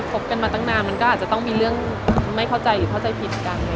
บกันมาตั้งนานมันก็อาจจะต้องมีเรื่องไม่เข้าใจหรือเข้าใจผิดกัน